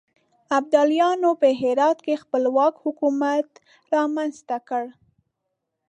ابدالیانو په هرات کې خپلواک حکومت رامنځته کړ.